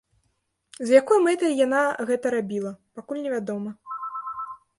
З якой мэтай яна гэта рабіла, пакуль невядома.